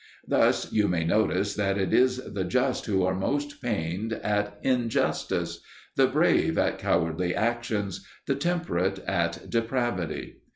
Thus you may notice that it is the just who are most pained at injustice, the brave at cowardly actions, the temperate at depravity.